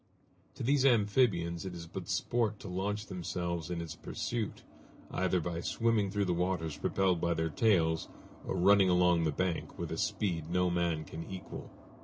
To these amphibians it is but sport to launch themselves in its pursuit, either by swimming through the waters propelled by their tails or running along the bank with a speed no man can equal.